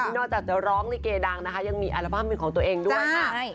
นอกจากจะร้องลิเกดังนะคะยังมีอัลบั้มเป็นของตัวเองด้วยค่ะ